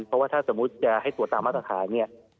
เพราะว่าถ้าสมมุติจะให้ตรวจตามมาตรฐานเนี่ย